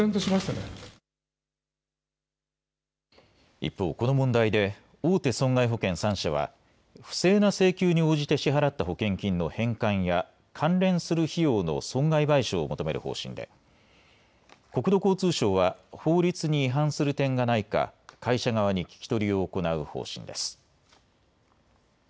一方、この問題で大手損害保険３社は不正な請求に応じて支払った保険金の返還や関連する費用の損害賠償を求める方針で国土交通省は法律に違反する点がないか会社側に聞き取りを行う方針です。